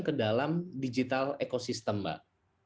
ke dalam digital ecosystem mbak